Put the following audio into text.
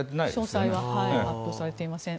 詳細は発表されていません。